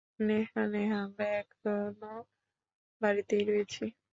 নেহা, নেহা, আমরা এখনও বাড়িতেই রয়েছি।